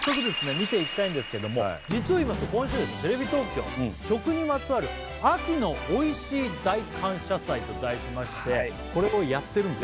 見ていきたいんですけども実をいいますと今週テレビ東京食にまつわる秋のおいしい大感謝祭と題しましてこれをやってるんです。